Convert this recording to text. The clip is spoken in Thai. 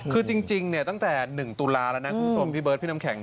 คือจริงตั้งแต่๑ตุลาแล้วนะคุณผู้ชมพี่เบิร์ดพี่น้ำแข็ง